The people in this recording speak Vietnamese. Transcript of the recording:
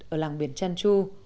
ở làng biển chăn chu